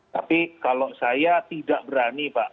tapi kalau saya tidak berani pak